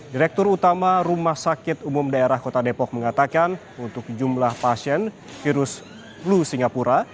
direktur utama rumah sakit umum daerah kota depok mengatakan untuk jumlah pasien virus flu singapura